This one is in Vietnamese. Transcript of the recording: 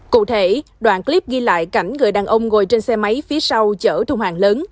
cụ thể đoạn clip ghi lại cảnh người đàn ông ngồi trên xe máy phía sau chở thùng hàng lớn